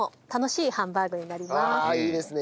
ああいいですね。